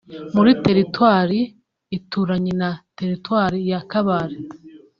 muri teritwari ituranye na teritwari ya Kabare